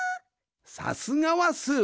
さすがはスー。